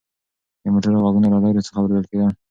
د موټرو غږونه له لرې څخه اورېدل کېدل.